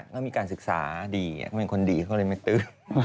ก็มีการศึกษาดีเขาเป็นคนดีเขาเลยไม่ตื้อ